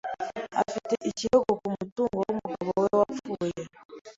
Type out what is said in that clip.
Afite ikirego ku mutungo w'umugabo we wapfuye.